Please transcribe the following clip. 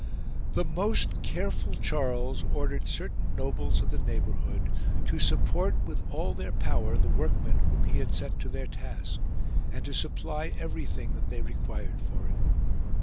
31. The most careful Charles ordered certain nobles of the neighbourhood to support with all their power the workmen whom he had set to their task, and to supply everything that they required for it.